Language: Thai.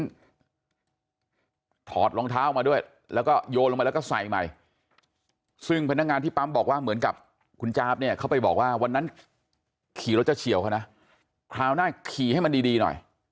ซึ่งถอดรองเท้ามาด้วยแล้วก็โยนลงไปแล้วก็ใส่ใหม่ซึ่งพนักงานที่ปั๊มบอกว่าเหมือนกับคุณจ๊าบเนี่ยเขาไปบอกว่าวันนั้นขี่รถจะเฉียวเขานะคราวหน้าขี่ให้มันดีหน่อย